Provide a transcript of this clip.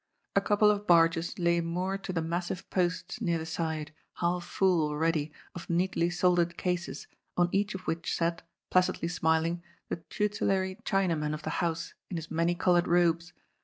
A couple of barges lay moored to the massive posts near the side, half full already of neatly soldered cases, on each of which sat, placidly smiling, the tutelary Chinaman of the house in his many coloured robes.